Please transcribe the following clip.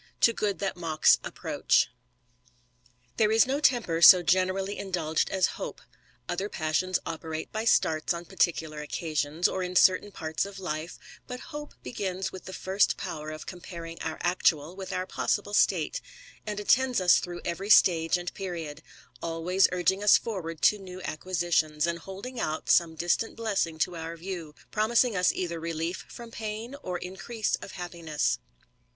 To good that mocks approach." TTHERE is no temper so generally indulged as hope; ^ other passions operate by starts on particular occasions, or in certain parts of life; but hope begins with the first power of comparing our actual with our possible state, and attends us through every stage and period, always urging us forward to new acquisitions, and holding out some distant blessing to our view, promising us either relief from pain, or increase of happiness.